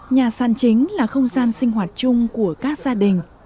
nhà sàn chính là không gian sinh hoạt chung của các gia đình